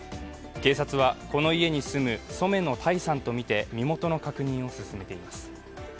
警察はこの家に住む染野耐さんとみて身元の確認を進めています。